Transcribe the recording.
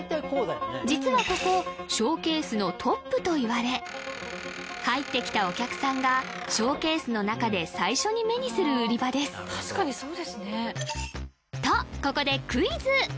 実はここショーケースのトップといわれ入ってきたお客さんがショーケースの中で最初に目にする売り場ですとここでクイズ！